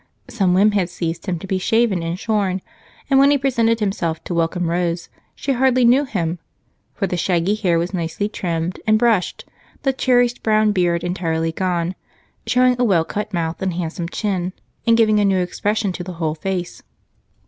Some whim had seized him to be shaven and shorn, and when he presented himself to welcome Rose, she hardly knew him. The shaggy hair was nicely trimmed and brushed, the cherished brown beard entirely gone, showing a well cut mouth and handsome chin and giving a new expression to the whole face.